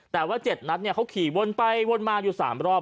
แต่ว่าเจ็ดนัดเนี้ยเขาขี่วนไปวนมาอยู่สามรอบ